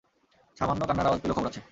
সামান্য কান্নার আওয়াজ পেলেও খবর আছে।